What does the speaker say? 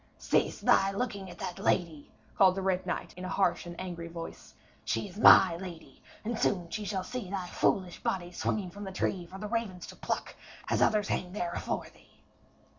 'Cease thy looking at that lady,' called the Red Knight in a harsh and angry voice. 'She is my lady, and soon shall she see thy foolish body swinging from the tree for the ravens to pluck, as others hang there afore thee.'